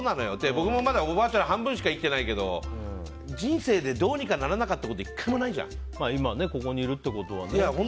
僕もおばあちゃんの半分しか生きてないけど人生でどうにかならなかったこと今ここにいるってことはね。